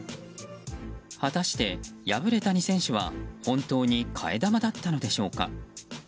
果たして、敗れた２選手は本当に替え玉だったのでしょうか。